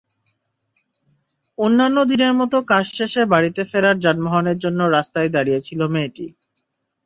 অন্যান্য দিনের মতো কাজ শেষে বাড়িতে ফেরার যানবাহনের জন্য রাস্তায় দাঁড়িয়েছিল মেয়েটি।